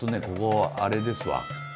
ここあれですわ。